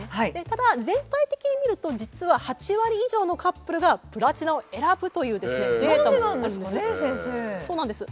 ただ全体的に見ると実は８割以上のカップルがプラチナを選ぶというデータもあるんです。